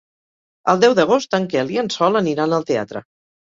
El deu d'agost en Quel i en Sol aniran al teatre.